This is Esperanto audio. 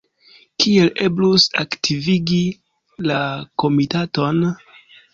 Kiel eblus aktivigi la komitaton?